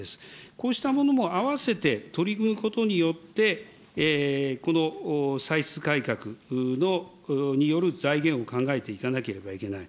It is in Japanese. こうしたものも合わせて取り組むことによって、この歳出改革による財源を考えていかなければいけない。